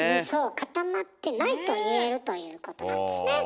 「固まってない」と言えるということなんですね。